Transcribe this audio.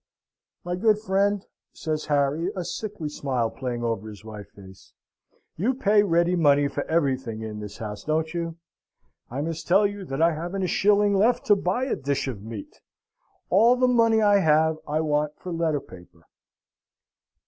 "My good friend," said Harry, a sickly smile playing over his white face, "you pay ready money for everything in this house, don't you? I must tell you that I haven't a shilling left to buy a dish of meat. All the money I have I want for letter paper."